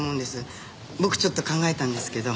僕ちょっと考えたんですけど。